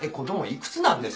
いくつなんです？